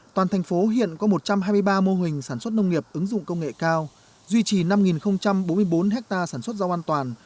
toàn thành phố hiện có một trăm hai mươi ba mô hình sản xuất nông nghiệp ứng dụng công nghệ cao duy trì năm bốn mươi bốn ha sản xuất rau an toàn